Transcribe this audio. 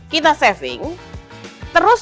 kita saving terus